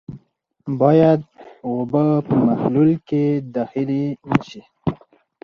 باید اوبه په محلول کې داخلې نه شي.